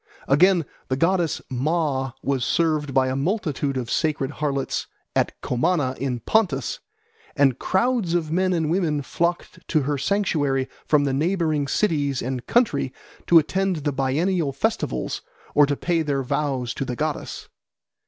Again, the goddess Ma was served by a multitude of sacred harlots at Comana in Pontus, and crowds of men and women flocked to her sanctuary from the neighbouring cities and country to attend the biennial festivals or to pay their vows to the goddess.